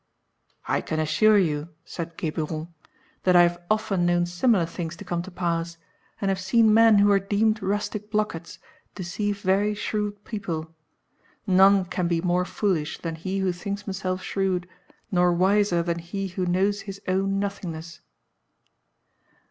"I can assure you," said Geburon, "that I have often known similar things to come to pass, and have seen men who were deemed rustic blockheads deceive very shrewd people. None can be more foolish than he who thinks himself shrewd, nor wiser than he who knows his own nothingness."